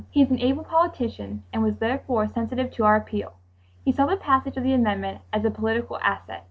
He is an able politician and was therefore sensitive to our appeal; he saw the passage of the amendment as a political asset.